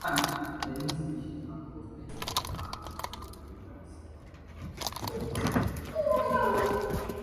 Many species are cultivated as garden plants and honey plants.